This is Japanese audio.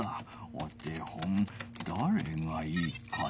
お手本だれがいいかな？